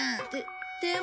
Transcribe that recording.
ででも。